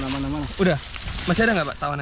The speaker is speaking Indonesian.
namun tak ada apa apa di bawah